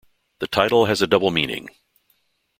The title has a double meaning.